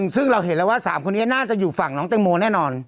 ซึ่งเราเห็นแล้วว่า๓คนนี้น่าจะอยู่ฝั่งน้องแตงโมแน่นอน